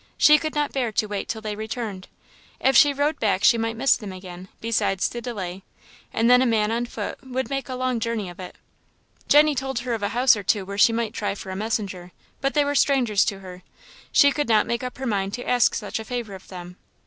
She could not bear to wait till they returned; if she rode back she might miss them again, besides the delay; and then a man on foot would make a long journey of it. Jenny told her of a house or two where she might try for a messenger; but they were strangers to her she could not make up her mind to ask such a favour of them.